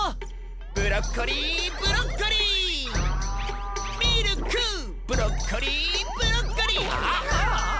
ブロッコリーブロッコリーミルクブロッコリーブロッコリーああ。